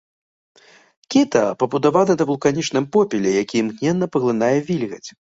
Кіта пабудаваны на вулканічным попеле, які імгненна паглынае вільгаць.